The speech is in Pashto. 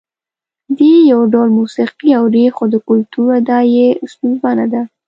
دوی یو ډول موسیقي اوري خو د کلتور ادعا یې ستونزمنه ده.